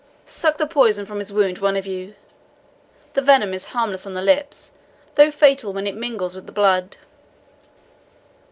Suck the poison from his wound one of you the venom is harmless on the lips, though fatal when it mingles with the blood."